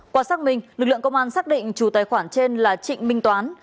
qua xác minh lực lượng công an xác định chủ tài khoản trên là trịnh minh toán